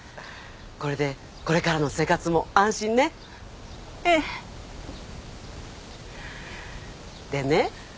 これでこれからの生活も安心ねええでね